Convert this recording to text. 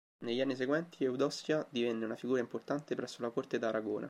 Negli anni seguenti Eudossia divenne una figura importante presso la corte d'Aragona.